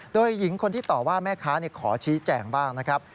โดยหญิงคนที่ต่อว่าแม่ค้าขอชี้แจงบ้างนะครับ